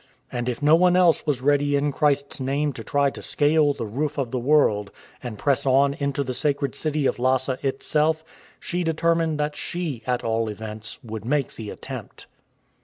"" And if no one else was ready in Chrisfs name to try to scale "the roof of the world,'' and press on into the sacred city of Lhasa itself, she determined that she, at all events, would make the attempt.